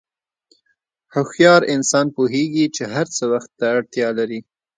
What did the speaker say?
هوښیار انسان پوهېږي چې هر څه وخت ته اړتیا لري.